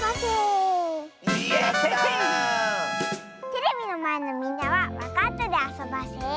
テレビのまえのみんなはわかったであそばせ。